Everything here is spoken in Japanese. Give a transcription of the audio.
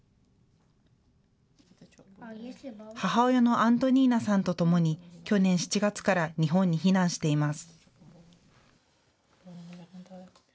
母親のアントニーナさんとともに去年７月から日本に避難しています。